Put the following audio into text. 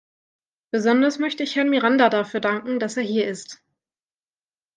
Besonders möchte ich Herrn Miranda dafür danken, dass er hier ist.